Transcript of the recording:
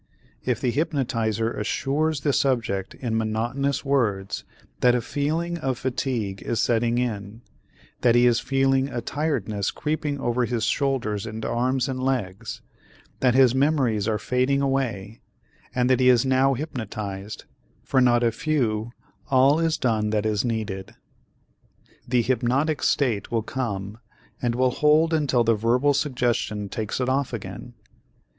If the hypnotizer assures the subject in monotonous words that a feeling of fatigue is setting in, that he is feeling a tiredness creeping over his shoulders and arms and legs, that his memories are fading away and that he is now hypnotized, for not a few all is done that is needed. The hypnotic state will come and will hold until the verbal suggestion takes it off again.